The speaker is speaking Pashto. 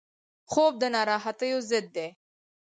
خوب د ناراحتیو ضد دی